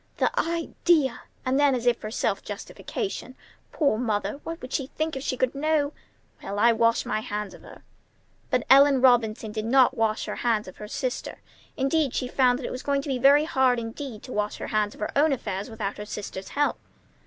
"The idea!" And then as if for self justification: "Poor mother! What would she think if she could know? Well, I wash my hands of her." But Ellen Robinson did not wash her hands of her sister. Instead, she found that it was going to be very hard indeed to wash her hands of her own affairs without her sister's help.